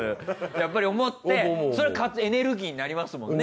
やっぱり思ってそれはエネルギーになりますもんね。